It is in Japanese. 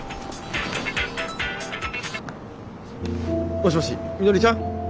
もしもしみのりちゃん？